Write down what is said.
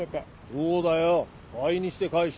そうだよ倍にして返した。